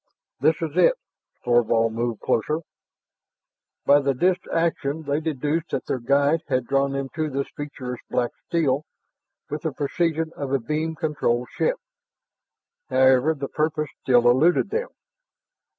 "This is it." Thorvald moved closer. By the disk's action, they deduced that their guide had drawn them to this featureless black steel with the precision of a beam controlled ship. However, the purpose still eluded them.